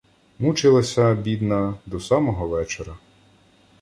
— Мучилася, бідна, до самого вечора.